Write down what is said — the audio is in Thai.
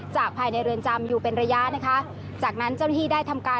จากภายในเรือนจำอยู่เป็นระยะ